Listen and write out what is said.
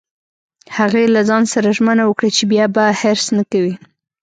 هغې له ځان سره ژمنه وکړه چې بیا به حرص نه کوي